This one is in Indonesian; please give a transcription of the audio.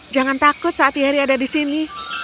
jangan takut saat yeri ada di sini